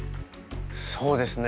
そうですね